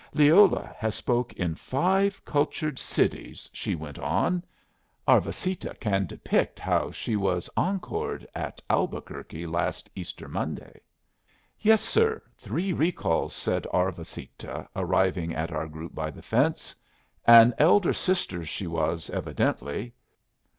"Leola has spoke in five cultured cities," she went on. "Arvasita can depict how she was encored at Albuquerque last Easter Monday." "Yes, sir, three recalls," said Arvasita, arriving at our group by the fence. An elder sister, she was, evidently.